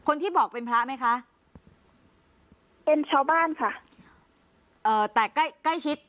คนที่บอกเป็นพระไหมคะเป็นชาวบ้านค่ะเอ่อแต่ใกล้ใกล้ชิด